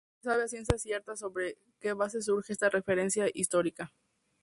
No se sabe a ciencia cierta sobre que base surge esta referencia histórica.